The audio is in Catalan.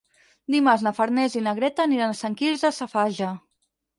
Dimarts na Farners i na Greta aniran a Sant Quirze Safaja.